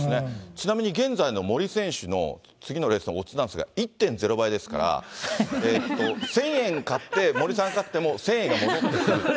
ちなみに現在の森選手の次のレースのオッズなんですが、１．０倍ですから、えーっと、１０００円買って、森さん勝っても、１０００円が戻ってくるっていう。